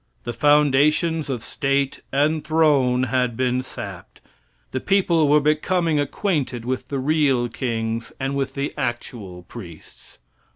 The foundations of State and throne had been sapped. The people were becoming acquainted with the real kings and with the actual priests.